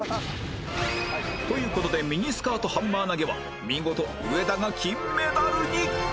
という事でミニスカートハンマー投げは見事上田が金メダルに！